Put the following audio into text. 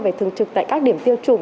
phải thường trực tại các điểm tiêm chủng